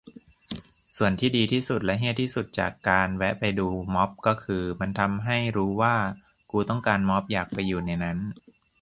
ส่วนที่ดีที่สุดและเหี้ยที่สุดจากการแวะไปดูม็อบก็คือ มันทำให้รู้ว่ากูต้องการม็อบ อยากไปอยู่ในนั้น